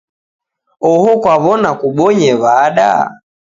Oho kwaw'ona kubonye w'ada?